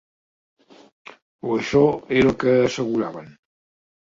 O això era el que asseguraven.